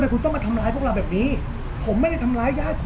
ไม่เห็นออกทำไมจะคุยกับเราที่สนุก